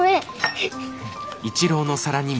はい。